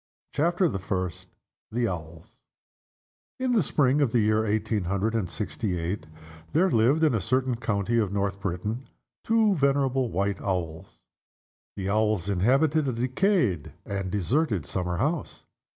CHAPTER THE FIRST. THE OWLS. IN the spring of the year eighteen hundred and sixty eight there lived, in a certain county of North Britain, two venerable White Owls. The Owls inhabited a decayed and deserted summer house.